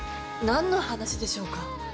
何の話でしょうか？